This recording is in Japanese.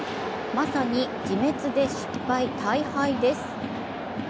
まさに自滅で失敗、大敗です。